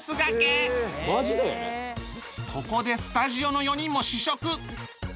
ここでスタジオの４人も試食